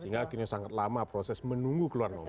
sehingga akhirnya sangat lama proses menunggu keluar nomor